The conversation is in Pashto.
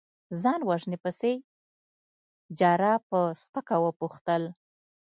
ځان وژنې پسې؟ جراح په سپکه وپوښتل.